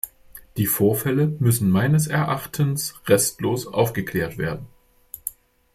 Die Vorfälle müssen meines Erachtens restlos aufgeklärt werden.